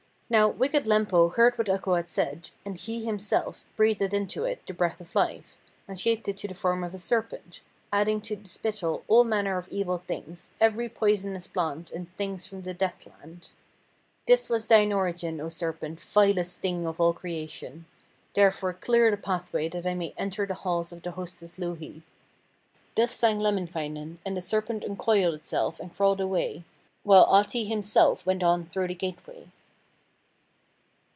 'Now, wicked Lempo heard what Ukko had said, and he himself breathed into it the breath of life, and shaped it to the form of a serpent, adding to the spittle all manner of evil things, every poisonous plant and thing from the Deathland. This was thine origin, O Serpent, vilest thing of all creation; therefore clear the pathway that I may enter the halls of the hostess Louhi.' Thus sang Lemminkainen, and the serpent uncoiled itself and crawled away, while Ahti himself went on through the gateway.